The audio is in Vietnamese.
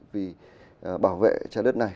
vì bảo vệ trái đất này